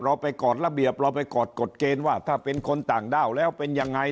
เราไปกอดระเบียบเราไปกอดกฎเกณฑ์ว่าถ้าเป็นคนต่างด้าวแล้วเป็นยังไง